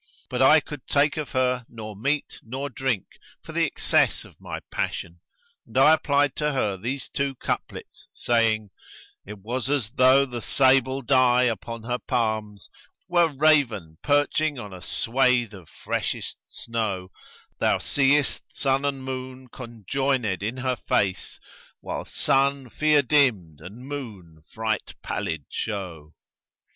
But I could take of her nor meat nor drink for the excess of my passion, and I applied to her these two couplets, saying, "It was as though the sable dye[FN#120] upon her palms, * Were raven perching on a swathe of freshest snow; Thou seest Sun and Moon conjoined in her face, * While Sun fear dimmed and Moon fright pallid show."